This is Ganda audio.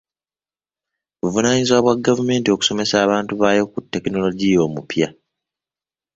Buvunaanyizibwa bwa gavumenti okusomesa abantu baayo ku tekinologiya omupya.